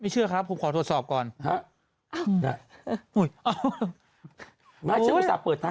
ไม่เชื่อครับผมขอโทษศอบก่อน